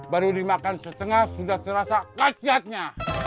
baru dimakan setengah sudah terasa rakyatnya